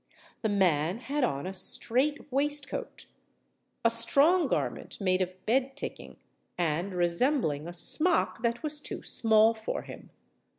The man had on a strait waistcoat,—a strong garment made of bed ticking, and resembling a smock that was too small for him.